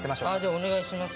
お願いします。